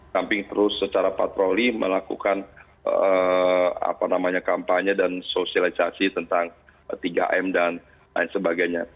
samping terus secara patroli melakukan kampanye dan sosialisasi tentang tiga m dan lain sebagainya